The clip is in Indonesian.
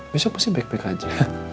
besok pasti baik baik aja